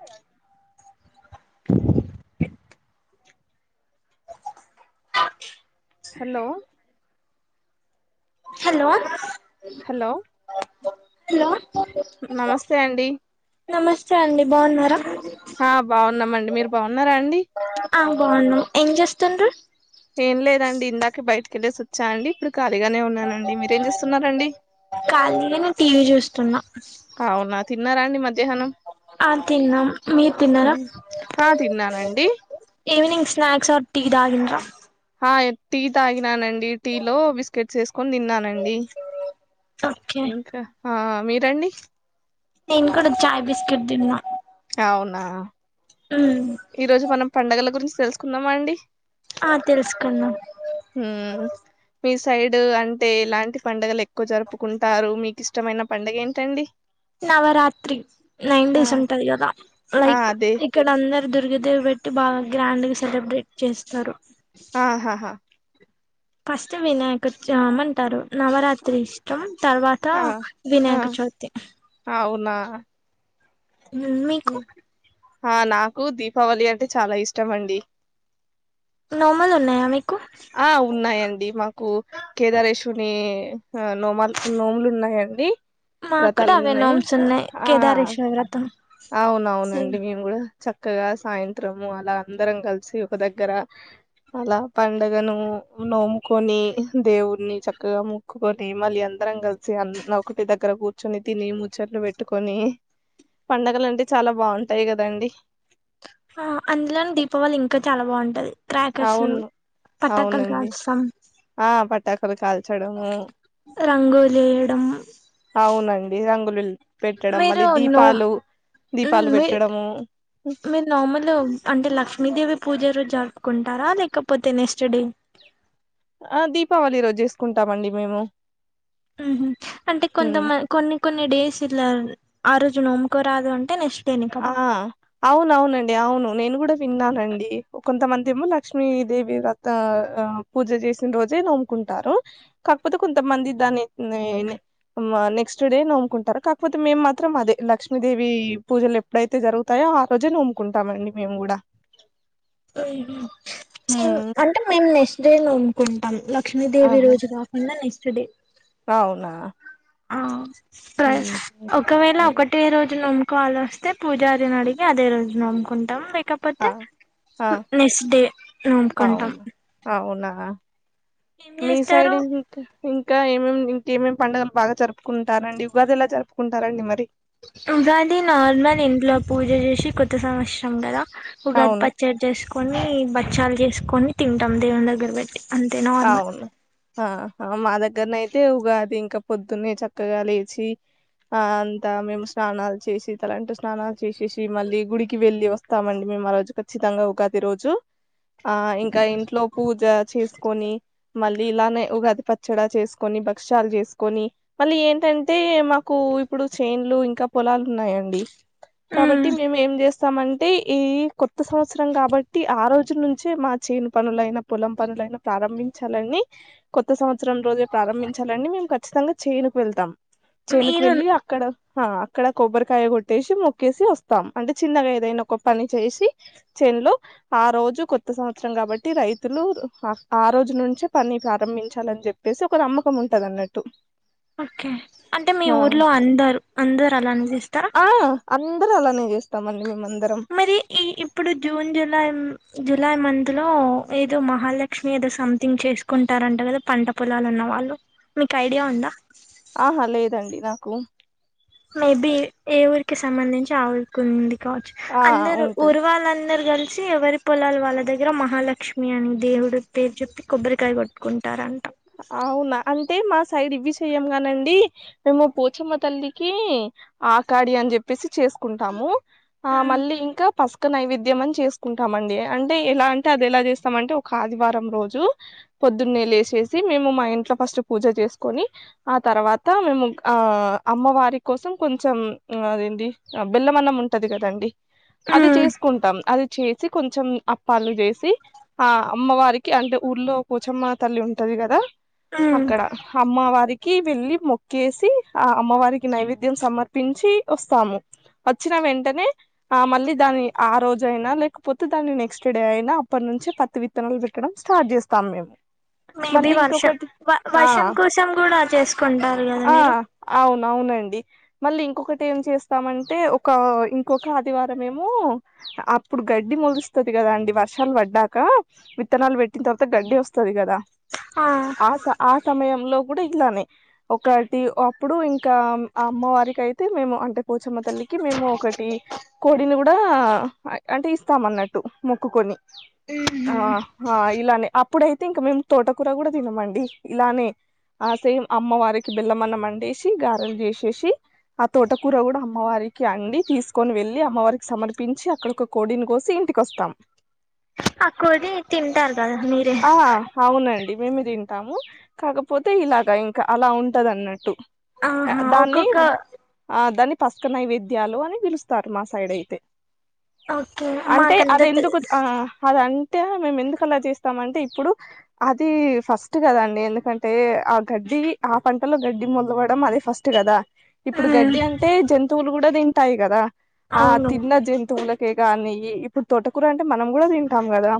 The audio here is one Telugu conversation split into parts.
అ హలో హలో హలో నమస్తే అండి నమస్తే అండి బాగున్నారా ఆ బాగున్నామండి మీరు బాగున్నారా అండి ఆ బాగున్నము ఏం చేస్తుర్రు ఏం లేదండి ఇందాక బయటకెళ్ళేసి వచ్చా అండి ఇప్పుడు ఖాళీగానే ఉన్నానండి మీరేం చేస్తున్నారండి. ఖాళీగానే టీవీ చూస్తున్నా అవునా తిన్నారాండి మధ్యాహ్నం ఆ తిన్నాము మీరు తిన్నారా ఉమ్, ఆ తిన్నానండి ఈవెనింగ్ స్నాక్స్ అర్ టీ తాగింరా ఆ టీ తాగిన అండి టీ లో బిస్కెట్స్ వేసుకొని తిన్నానండి ఓకే ఇంకా ఆ మీరండి నేను కూడా చాయ్ బిస్కెట్ తీన్నా అవునా మ్మ్ ఈరోజు మనం పండుగల గురించి తెలుసుకుందామా అండి ఆ తెలుసుకుందాం హ్ మీ సైడ్ అంటే ఎలాంటి పండుగలు ఎక్కువ జరుపుకుంటారు. మీకు ఇష్టమైన పండుగ ఏంటండి నవరాత్రి నైన్ ఆ డేస్ ఉంటది. కదా ఆ లైక్ అదే ఇక్కడ అందరు దుర్గాదేవి పెట్టి బాగా గ్రాండ్ గా సెలబ్రేట్ చేస్తారు. ఆహాహా ఫస్ట్ వినాయక చవితి అంటారు నవరాత్రి ఇష్టం తర్వాత ఆ త ఆ వినాయక చవితి అవునా మీకు ఆ నాకు దీపావళి అంటే చాలా ఇష్టం అండి. నోముల్ ఉన్నాయా మీకు? ఆ ఉన్నాయండి మాకు కేదారేశవుని ఆ నోమాలు నోములు ఉన్నాయండి. మాకు కూడా వ్రతాలు అవే ఉన్నాయి నోమ్స్ ఉన్నాయి ఆ కేదారేశ్వర వ్రతం సేమ్ అవునవునండి మేము కూడా చక్కగా సాయంత్రము అలా అందరం కలిసి ఒక దగ్గర అలా పండగను నోముకొని దేవుడిని చక్కగా మొ క్కుకొని మళ్ళీ అందరం కలిసి అ ఒకటి దగ్గర కూర్చొని తిని ముచ్చట్లు పెట్టుకొని పండగలు అంటే చాలా బావుంటాయి కదండి ఆ అందులోనే దీపావళి ఇంకా చాలా బావుంటది. క్రాకర్స్ అవును పట్టకాలు అవునండి కాలుసాం ఆ పట్టాకులు కాల్చడము రంగులు వేయడం అవునండి రంగుల్లు పెట్టడం మీరు మళ్ళీ నో దీపాలు దీపాలు మీ పెట్టడము. మీరు నార్మల్ అంటే లక్ష్మీదేవి పూజ రోజు జరుపుకుంటారా, లేకపోతే నెక్స్ట్ డే? ఆ దీపావళి రోజు వేసుకుంటామండి మేము ఉహు అంటే హ్మ్. కొంతమం కొన్ని కొన్ని డేస్ ఇలా ఆ రోజు నోముకోరాదు అంటే నెక్స్ట్ డేనే కదా ఆ అవునవునండి అవును నేను కూడా విన్నానండి కొంతమంది ఏమో లక్ష్మీదేవి వ్రత ఆ పూజ చేసిన రోజే నోముకుంటారు కాకపోతే కొంతమంది దాన్ని నేనే మాన్నె నెక్స్ట్ డే నోముకుంటారు కాకపోతే మేము మాత్రం అదే లక్ష్మీదేవి పూజలు ఇప్పుడైతే జరుగుతాయో ఆ రోజేనే నోముకుంటామండి మేము కూడా హం సెమ్ అంటే మేము నెక్స్ట్ డే నోముకుంటాం లక్ష్మీదేవి ఆహ రోజుగా ఉన్న నెక్స్ట్ డే అవునా ఆ ప్రై ఓక్ హ్మ్ ఒకవేళ హ్మ్ ఒకటే రోజు నోముకోవాలో వస్తే పూజారిని అడిగి అదే రోజు నోముకుంటాం లేక ఆ పోతే ఆ ఉ నెక్స్ట్ డే నోమ్కుంటాం అవును అవునా మీ చేస్తారు సైడంగ్ ఇంకా ఏమేమి ఇంకేమేం పండుగలు బాగా జరుపుకుంటారండి, ఉగాది ఏలా జరుపుకుంటారండి మరి? ఉగాది నార్మల్ ఇంట్లో పూజ చేసి కొత్త సంవత్సరం కదా ఉగాది అవును పచ్చడి చేసుకొని బచ్చాలు చేసుకొని తింటాం దేవుని దగ్గర పెట్టి అంతే నార్మల్ అవును ఆ హ మా దగ్గరన అయితే ఉగాది ఇంకా పొద్దున్నే చక్కగా లేచి ఆ అంతా మేము స్నానాలు చేసి తలంటు స్నానాలు చేసేసి మళ్ళీ గుడికి వెళ్ళి వ స్తామండి మేము ఆ రోజు ఖచ్చితంగా ఉగాది రోజు ఆ ఇంకా ఇంట్లో పూజ చేసి కొని మళ్ళీ ఇలానే ఉగాది పచ్చడా చేసుకొని, భక్ష్యాలు చేసుకొని మళ్ళీ ఏంటంటే మాకు ఇప్పుడు చేన్లు ఇంకా పొలాలు ఉన్నాయండి. కాబట్టి మేము ఏం చే సాం అంటే ఏ ఈ కొత్త సంవత్సరం కాబట్టి ఆ రోజు నుంచే మా చేను పనులైనా, పొలం పనులైనా ప్రారంభించాలని కొత్త సంవత్సరం రోజే ప్రారంభించాలని మేము ఖచ్చితంగా చేనుకు వెళ్తాం. చేనుకు మీరు వెళ్లి అక్కడ హ అక్కడ కొబ్బరికాయ కొట్టేసి మొక్కేసి వస్తాం అంటే చిన్నగా ఏదైనా ఒక పని చేసి చెన్ లో ఆ రోజు కొత్త సంవత్సరం కాబట్టి రైతులు హ ఆ రోజు నుంచే పని ప్రారంభించాలని చెప్పేసి ఒక నమ్మకం ఉంటది అన్నట్టు. ఓకే అంటే మీ ఆ ఊరిలో అందర్ అందరు అలా చేస్తారా అందర అలానే చేస్తామండి మేము అందరం మీది ఈ ఇప్పుడు జూన్ జులై జులై మంత్లో ఏదో మహాలక్ష్మి ఏదో సంథింగ్ చేసు కుంటారంట కదా పంట పొలాలు ఉన్నవాళ్ళు మీకు ఐడియా ఉందా ఆహా లేదండి నాకు మేబి ఏ ఊరికి సంబంధించి ఆ ఊరికి కుంది కావచ్చు ఆ అందరు ఉంటది ఊరు వాళ్ళందరు కలిసి ఎవరి పొలాలు వాళ్ళ దగ్గర మహాలక్ష్మి అని దేవుడు పేరు చెప్పి కొబ్బరికాయ కొట్టుకుంటారంట అవునా అంటే మా సైడ్ ఇవి చెయంగానండి మేము పోచమ్మ తల్లికి ఆకాడి అని చెప్పి ప్పిసి చేసుకుంటాము ఆ మళ్ళీ ఇంకా పసుక నైవేద్యం అని చేసుకుంటామండి అంటే ఎలా అంటే అది ఎలా చేస్తామంటే ఒక ఆదివారం రోజు పొద్దున్నే లేసేసి మేము మా ఇంట్లో ఫస్ట్ పూజ చేసుకొని ఆ తర్వాత మేము ఆ అమ్మవారి కోసం కొంచెం అదేంటి బెల్లమన్నం ఉంటది కదండి అది మ్మ్ చేసి కుంటాం అది చేసి కొంచెం అప్పాలు చేసి ఆ అమ్మవారికి అంటే ఊర్లో పోచమ్మ తల్లి ఉంటది కదా మ్మ్ అక్కడ అమ్మవారికి వెళ్ళి మొక్కేసి ఆ అమ్మవారికి నైవేద్యం సమర్పించి వస్తాము వచ్చిన వెంటనే ఆ మళ్ళీ దాని ఆరోజ అయినా లేకపోతే దాన్ని నెక్స్ట్ డే అయినా అప్పటి నుంచి పత్తి వి త్తంగా విక్కకడం స్టార్ట్ చేస్తాం మేము మేబి మళ్ళీ వర్షం ఇంకొకటి ఆ వర్షం కోసం కూడా చేసుకుంటారు కదా మీరు అవునవునండి మళ్ళీ ఇంకొకటి ఏం చేస్తామంటే ఒక ఇంకొక ఆదివారంమెమో అప్పుడు గడ్డి మొలుస్తుంది కదా అండి వర్షాలు పడ్డాక విత్తనాలు పెట్టిన తర్వాత గడ్డీ వస్తుంది కదా ఆ ఆ ఆ సమయంలో కూడా ఇట్లానే ఒకటి అప్పుడు ఇంకా ఆ అమ్మవారికి అయితే మేము అంటే పోచమ్మ తల్లికి మేము ఒకటి కోడిని కూడా అంటే ఇస్తాం అన్నట్టు మొక్కుకొని మ్మ్ ఆ ఇలానే అప్పుడయితే ఇంకా మేము తోటకూర కూడా తినమండి ఇలానే ఆ సేమ్ అమ్మవారికి బెల్లమన్నం వండేసి గారెలు చేసేసి ఆ తోటకూర కూడా అమ్మవారికి అండి తీసుకొని వెళ్ళి అమ్మవారికి సమర్పించి అక్కడ కోడిని కోసి ఇంటికొస్తాం ఆ కోడిని తింటారు కదా మీరే ఆ అవునండి మేము తింటాము కాకపోతే ఇలాగా ఇంకా అలా ఉంటది అన్నట్టు ఆహా దాన్ని ఒక్కొక్క ఆ దాన్ని పసుక నైవేద్యాలు అని పిలుస్తారు మా సైడ్ అయితే ఓకే అంటే మాకంత అది తె ఎందుకు ఆ అద టే మేము ఎందుకలా చేస్తాం అంటే ఇప్పుడు అది ఫస్ట్ కదాండి ఎందుకంటే ఆ గడ్డి ఆ పంటలో గడ్డి మొలకోవడం అదే ఫస్ట్ కదా ఇప్పుడు మ్మ్ గడ్డి అంటే జంతువులు కూడా తింటాయి కదా ఆ అవును తిన్న జంతువు తువులకే గానీ ఇప్పుడు తోటకూర అంటే మనం కూడా తింటాం కదా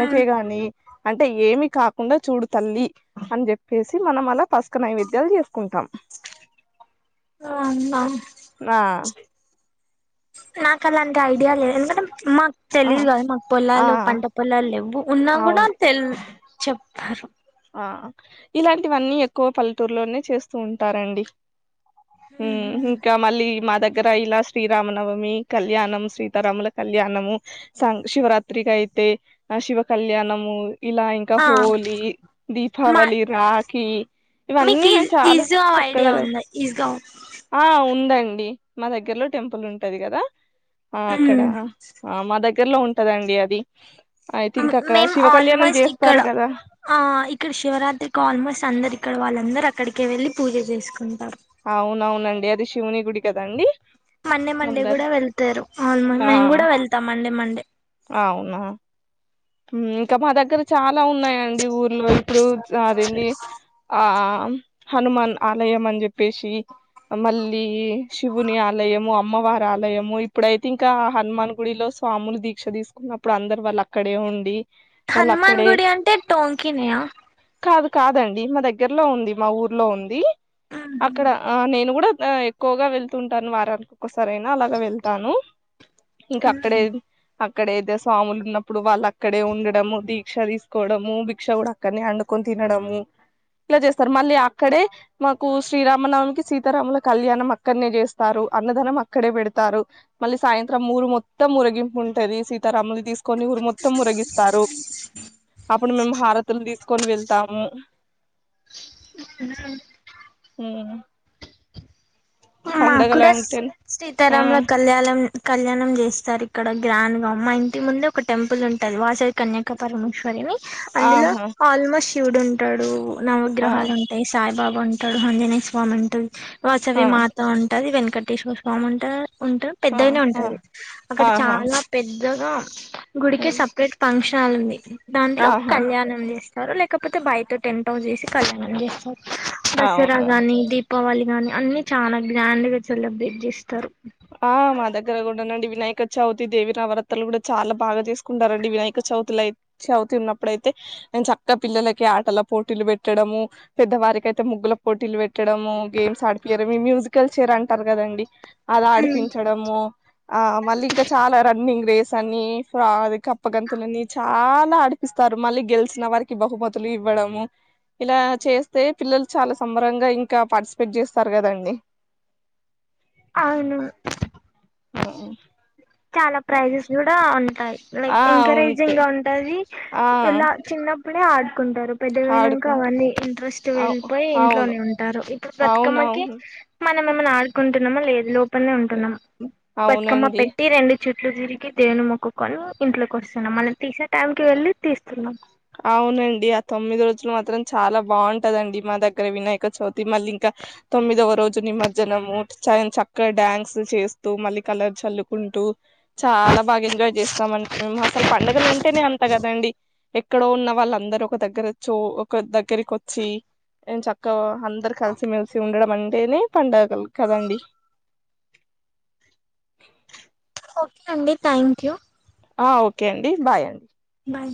మ్మ్ గాని అంటే ఏమి కాకుండా చూడు తల్లి అన్ చెప్పేసి మనం అలా పస్క నైవేద్యాల్ చేస్కుంటాం. ఆ అన్నా నా నాక్ అలాంటి ఐడియాలే ఎందుకంటే మాక్ ఆ తెలీదు గదా మాక్ ఆ పొలాలు, పంట పొలాల్ లెవ్వు ఉన్నా గుడ అవును తెల్ చెప్తారు ఇలాంటివన్నీ ఎక్కువ పల్లెటూర్లోనే చేస్తూ ఉంటారండి. హ్మ్ ఇంకా మళ్ళీ మా దగ్గర ఇలా శ్రీరామనవమి కళ్యాణం, సీతారాముల కళ్యాణము సం శివరాత్రికైతే ఆ శివ కళ్యాణము ఇలా ఇంకా ఆ హోలీ మా దీపావళి రాఖీ మీక్ ఇవన్నీ ఇజ్ మేము చాలా ఇజో ఐడియా చక్కగా ఉంద ఇజో ఆ ఉందండి మా దగ్గర్లో టెంపుల్ ఉంటది గదా ఆ ఉమ్ అక్కడా ఆ మా దగ్గర్లో ఉంటదండి అది ఐథింక్ అక్కడ మేము శివ కళ్యాణం ఆల్మోస్ట్ ఇక్కడ చేస్తారు కదా ఆ ఇక్కడ శివరాత్రిక్ ఆల్మోస్ట్ అందర్ ఇక్కడ వాళ్ళందర్ అక్కడికే వెళ్ళి పూజ చేస్కుంటరు. అవునవునండి అది శివుని గుడి కదండి. మండే మండే అందరు గుడా వెళ్తరు ఆల్మో ఆ మేం గుడా వెళ్తాం మండే మండే అవునా ఇంకా మా దగ్గర చాలా ఉన్నాయండి ఊర్లో ఇప్పుడు అదేంది ఆ హనుమాన్ ఆలయం అన్ జెప్పేసీ మళ్ళీ శివుని ఆలయము, అమ్మవారి ఆలయము ఇప్పుడైతే ఇంకా హనుమాన్ గుడిలో స్వాములు దీక్ష తీస్కున్నప్పుడు అందర్ వాళ్లక్కడే ఉండి వాళ్ళు హనుమాన్ అక్కడే గుడి అంటే టోంకినియా? కాదు కాదండి మా దగ్గర్లో ఉంది మా ఊర్లో ఉంది అక్కడ ఆ నేను గుడా ఎక్కువగా వెళ్తుంటాను వారానికి ఒక్కసారైనా అలాగ వెళ్తాను ఇంకా అక్కడే అక్కడైతే స్వాములున్నప్ ప్పుడు వాళ్ళక్కడే ఉండడము, దీక్ష తీస్కోవడము, భిక్ష గుడ అక్కడ్నే అండుకోన్ తినడం ఇట్ల చేస్తర్ మళ్ళీ అక్కడే మాకు శ్రీరామనవమికి, సీతారాముల కళ్యాణం అక్కడ్నే చేస్తారు అన్నదానం అక్కడే పెడ్తారు. మళ్ళీ సాయంత్రం మూరు మొత్తం ఊరేగింపు ఉంటది సీతారాముల్ని తీస్ కొని ఊరు మొత్తం ఊరేగిత్తారు. అప్పుడు మేము హారతుల్ తీస్కొన్ వెళ్తాము. మ్ మాక్ కుడస్ అంటే సీతారాముల కళ్యాణం కళ్యాణం చేస్తార్ ఇక్కడ గ్రాండ్గా మా ఇంటి ముందే ఒక టెంపుల్ ఉంటది వాసవి కన్యకపరమేశ్వరిని అందులో ఆహా ఆల్మోస్ట్ శివుడుంటాడు, ఆహా నవగ్రహాలుం టయి సాయిబాబు ఉంటాడు, హంజనేయ స్వామి ఉంటడు వాసవి ఆహా మా త ఉంటది, వెంకటేశ్వర స్వామి ఉంట ఉంట పెద్దగనే ఉంటది అక్కడ ఆహా చాలా పెద్దగా గుడికే సపరేట్ ఫంక్షన్ హాల్ ఉంది దాంట్లో ఆహా కళ్యాణం చేస్ స్తరు లేకపోతే బయట టెంట్ హౌస్ ఏసి కళ్యాణం చేస్తరు దసరా అవునా గాని దీ పావళి గాని అన్ని చాలా గ్రాండ్గ సెలబ్రేట్ జేస్తరు. ఆ మా దగ్గర గూడా నండి వినాయక చవితి, దేవి నవరత్రలు గుడ చాలా బాగా చేస్కుంటారండి వినాయక చవితిలై చవితి ఉన్నప్పుడైతే ఎంచక్క పిల్లలకి ఆటల పోటీలు పెట్టడము పెద్దవారికైతే ముగ్గుల పోటీల్ పెట్టడమూ గేమ్ స్ ఆడిపియ్యడం ఈ మ్యూజికల్ చైర్ అంటార్ గదండి అద్ ఆడిపించడము ఆ మళ్ళీ ఇంకా చాలా రన్నింగ్ రేస్ అనీ ఆ అది కప్పగంతులని చాలా ఆడ్ ఇస్తారు మళ్ళీ గెలిసిన వారికి బహుమతులు ఇవ్వడము ఇలా చేస్తే పిల్లలు చాలా సంబరంగా ఇంకా పార్టిసిపేట్ చేస్తారు కదండి అవును ఆ చాలా ప్రైజెస్ కూడా ఉంటాయి ఆ లైక్ అవును ఎంకరేజింగ్ గా ఉంటాది ఆ ఇలా చిన్నప్పుడే ఆడుకుంటారు పెద్దగైనాంకా ఆడుకుంటు అవన్నీ ఇంట్రెస్ట్ అవు వెళ్ళిపోయి అవును ఇంట్లోనే ఉంటారు ఇప్పుడు బతుకమ్మకి అవునవును మనం ఏమన్నా ఆడుకుంటున్నామ లేదు లోపలనే ఉంటున్నాము బతుకమ్మ అవునండి పెట్ ట్టి రెండు చుట్లు తిరిగి దేవుని మొక్కుకొని ఇంట్లోకి ఒస్తున్నాం మళ్ల తీసే టైంకి వెళ్ళి తీస్తున్నాం అవునండి ఆ తొమ్మిది రోజులు మాత్రం చాలా బావుంటదండి మా దగ్గర వినాయక చవితి మళ్ళీ ఇంకా తొమ్మిదవ రోజు నిమజ్జనము చన్ చక్కగా డ్యాన్స్ చేస్తూ మళ్ళీ కలర్ చల్లుకుంటూ చాలా బాగా ఎంజాయ్ చేస్తామండి మేము అసలు పండుగలు అంటేనే అంత కదండి ఎక్కడో ఉన్న వాళ్ళ అందరుూ ఒక దగ్గర ఒచ్చ ఒక దగ్గరికొచ్చి ఎంచక్కగా అందరు కలిసిమెెలిసి ఉండడం అంటేనే పండగలు కదండి ఓకే అండి థ్యాంక్ యూ ఆ ఓకే అండి బాయ్ అండి బాయ్